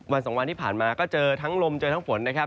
สองวันที่ผ่านมาก็เจอทั้งลมเจอทั้งฝนนะครับ